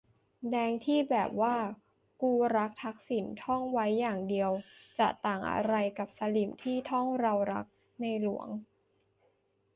แดงที่แบบว่า "กูรักทักษิณ" ท่องไว้อย่างเดียวจะต่างอะไรกับสลิ่มที่ท่อง "เรารักในหลวง"